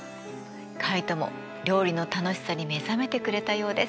カイトも料理の楽しさに目覚めてくれたようです。